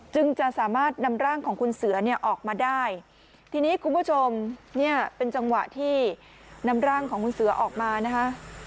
จึงจะสามารถนำร่างของคุณเสือเนี่ยออกมาได้ทีนี้คุณผู้ชมเนี่ยเป็นจังหวะที่นำร่างของคุณเสือออกมานะคะ